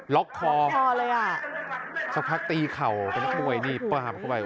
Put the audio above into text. ล็อกคอสักพักตีเข่าเป็นยักษ์มวยปลาบเข้าไปโอ้โห